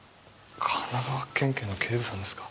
神奈川県警の警部さんですか。